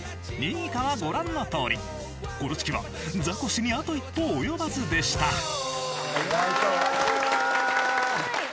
位以下はご覧のとおりコロチキはザコシにあと一歩及ばずでしたすごい！